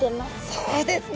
そうですね。